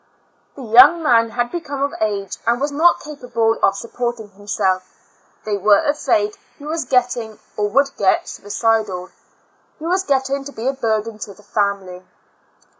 The young man had become of age, and was not capable of supporting himself; they were afraid he was getting, or would get, suicidal; he was getting to be a burden to the family.